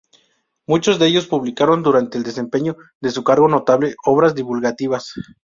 Muchos de ellos publicaron durante el desempeño de su cargo notables obras divulgativas.